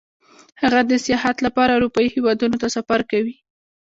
هغه د سیاحت لپاره اروپايي هېوادونو ته سفر کوي